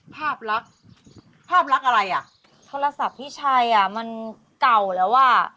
ภาพรักภาพรักอะไรอะโทรศัพท์พี่ชัยอะมันเก่าแล้วอะ